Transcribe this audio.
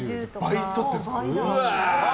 倍、撮ってるんですか。